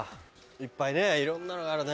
いっぱいねいろんなのがあるね。